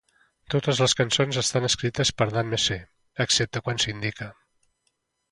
Totes les cançons estan escrites per Dan Messé, excepte quan s'indica.